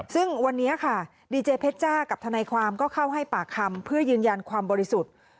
ซึ่งวันนี้ค่ะดีเจเพชจ้ากับทนายความก็เข้าให้ปากคำเพื่อยืนยันความบริสุทธิ์